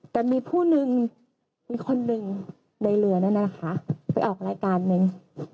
แต่มีผู้หนึ่งมีคนหนึ่งในเรือนั่นนะคะไปออกรายการนึง